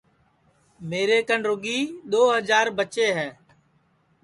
میرے کن رُگی دؔو ہجار بچے ہے